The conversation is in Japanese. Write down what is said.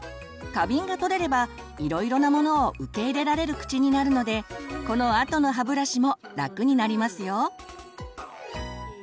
過敏がとれればいろいろなものを受け入れられる口になるのでこのあとの歯ブラシも楽になりますよ。